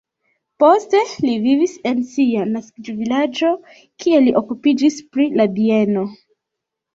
Poste li vivis en sia naskiĝvilaĝo, kie li okupiĝis pri la bieno.